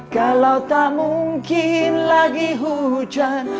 kalau tak mungkin lagi hujan